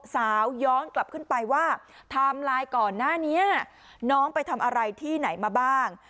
ย้อนกลับขึ้นไปว่าไทม์ไลน์ก่อนหน้านี้น้องไปทำอะไรที่ไหนมาบ้าง